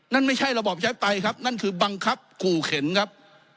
นั่นไม่ใช่ระบอบชายไตนั่นคือบังคับขู่เข็นครับ